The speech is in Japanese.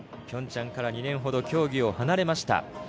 ピョンチャンから２年ほど競技を離れました。